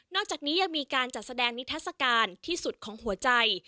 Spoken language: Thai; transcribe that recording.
อกจากนี้ยังมีการจัดแสดงนิทัศกาลที่สุดของหัวใจ